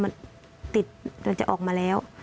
มันติดเราจะออกมาแล้ว